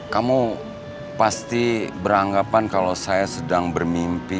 kamu pasti beranggapan kalau saya sedang berada di rumah putri ya